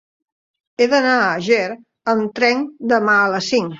He d'anar a Àger amb tren demà a les cinc.